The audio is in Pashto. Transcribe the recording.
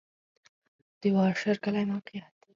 د واشر کلی موقعیت